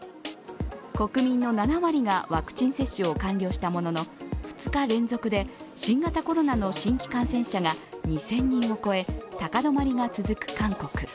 国民の７割がワクチン接種を完了したものの、２日連続で新型コロナの新規感染者が２０００人を超え高止まりが続く韓国。